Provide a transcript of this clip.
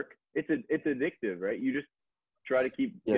karena setelah kamu mulai bekerja keras